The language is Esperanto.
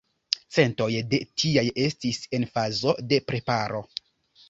Centoj de tiaj estis en fazo de preparo.